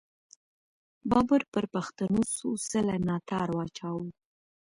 بابر پر پښتنو څو څله ناتار واچاوو.